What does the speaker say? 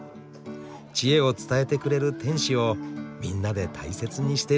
知恵を伝えてくれる天使をみんなで大切にしてる。